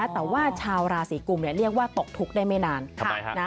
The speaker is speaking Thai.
แต่ว่าชาวราศีกุมเรียกว่าตกทุกข์ได้ไม่นาน